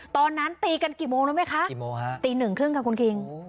ตอนนั้นตีกันกี่โมงรู้ไหมคะตีหนึ่งครึ่งค่ะคุณคิง